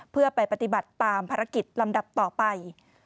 เพื่อไปปฏิบัติตามภารกิจลำดับต่อไป